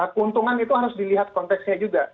keuntungan itu harus dilihat konteksnya juga